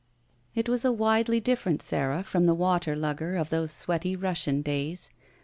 It was a widely different Sara from the water lugger of those sweaty Russian days.